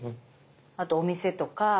あとお店とか。